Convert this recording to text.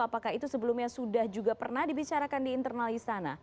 apakah itu sebelumnya sudah juga pernah dibicarakan di internal istana